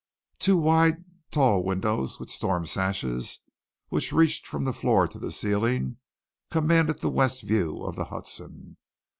Two wide, tall windows with storm sashes, which reached from the floor to the ceiling, commanded the West view of the Hudson.